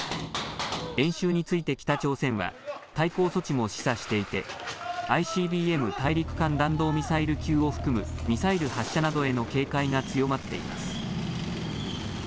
演習について北朝鮮は対抗措置も示唆していてＩＣＢＭ大陸間弾道ミサイル級を含むミサイル発射などへの警戒が強まっています。